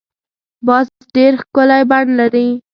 باز ډېر ښکلی بڼ لري